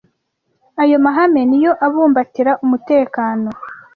Ayo mahame ni yo abumbatira umutekano